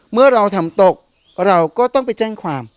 เมื่อเราทำตกเราก็ต้องไปแจ้งความ